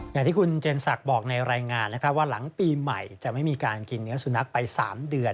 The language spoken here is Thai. อย่างที่คุณเจนศักดิ์บอกในรายงานนะครับว่าหลังปีใหม่จะไม่มีการกินเนื้อสุนัขไป๓เดือน